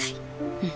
うん。